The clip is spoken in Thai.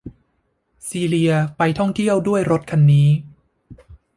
ซีเลียไปท่องเที่ยวด้วยรถคันนี้